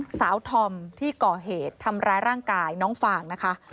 ธอมที่ก่อเหตุทำร้ายร่างกายน้องฟางนะคะ